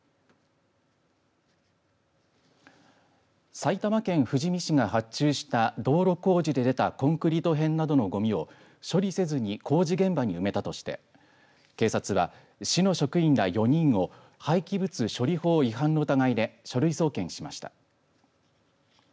埼玉県富士見市が発注した道路工事で出たコンクリート片などのごみを処理せずに工事現場に埋めたとして警察は、市の職員ら４人を廃棄物処理法違反の疑いで書類送検しました。